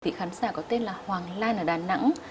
thì khán giả có tên là hoàng lan ở đà nẵng